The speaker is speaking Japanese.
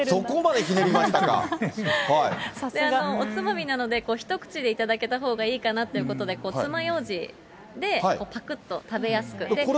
そういう、さすが。おつまみなので、一口で頂けたほうがいいかなっていうことで、つまようじでぱくっと食べやすいんで。